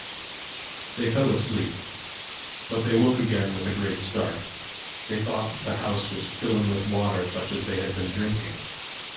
They fell asleep. But they woke again with a great start. They thought the house was filling with water such as they had been drinking.